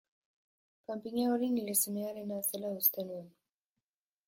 Panpina hori nire semearena zela uste nuen.